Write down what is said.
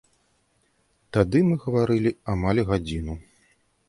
Тады мы гаварылі амаль гадзіну.